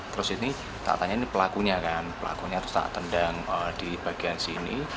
terus ini tak tanya ini pelakunya kan pelakunya terus tak tendang di bagian sini